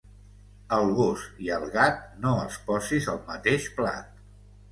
Al gos i al gat, no els posis el mateix plat.